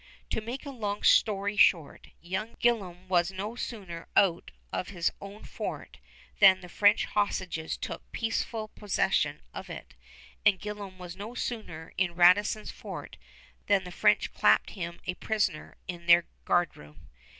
To make a long story short, young Gillam was no sooner out of his own fort than the French hostages took peaceable possession of it, and Gillam was no sooner in Radisson's fort than the French clapped him a prisoner in their guardroom.